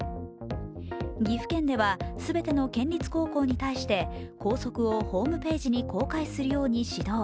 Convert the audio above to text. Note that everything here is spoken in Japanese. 岐阜県では、全ての県立高校に対して校則をホームページに公開するように指導。